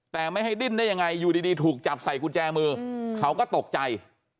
แต่ไม่ให้ดิ้นได้ยังไงอยู่ดีถูกจับใส่กุญแจมือเขาก็ตกใจ